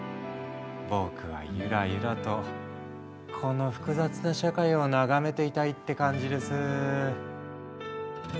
僕はゆらゆらとこの複雑な社会を眺めていたいって感じです。